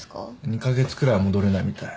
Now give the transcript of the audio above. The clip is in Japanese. ２カ月くらいは戻れないみたい。